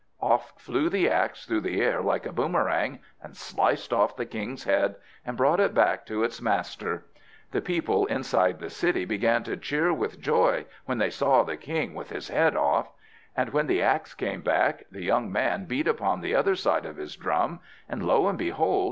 Off flew the axe through the air like a boomerang, and sliced off the king's head, and brought it back to its master. The people inside the city began to cheer with joy, when they saw the king with his head off. And when the axe came back, the young man beat upon the other side of his drum; and lo and behold!